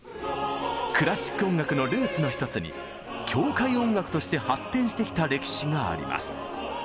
クラシック音楽のルーツの一つに教会音楽として発展してきた歴史があります。